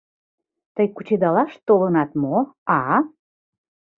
— Тый кучедалаш толынат мо, а?